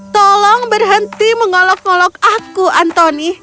tolong berhenti mengolok ngolok aku antoni